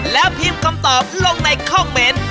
แล้วพิมพ์คำตอบลงในคอมเมนต์